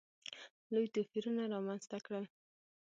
لوی توپیرونه رامځته کړل.